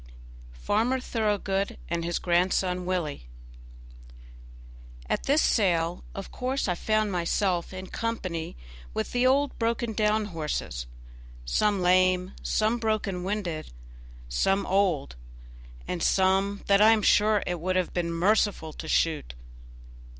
48 Farmer Thoroughgood and His Grandson Willie At this sale, of course I found myself in company with the old broken down horses some lame, some broken winded, some old, and some that I am sure it would have been merciful to shoot.